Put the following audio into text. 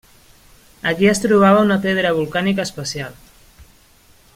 Aquí es trobava una pedra volcànica especial.